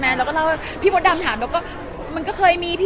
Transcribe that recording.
หกปีใช่